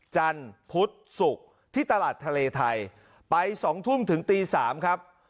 จันทร์พุธศุกร์ที่ตลาดทะเลไทยไป๒ทุ่มถึงตี๓ครับ